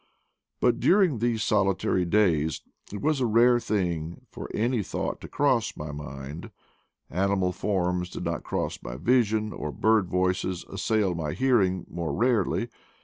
But during those solitary days it was a rare thing for any thought to cross my mind ; animal forms did not cross my vision or bird voices assail my hearing more rarely.